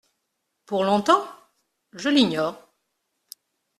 Pour longtemps ? Je l'ignore.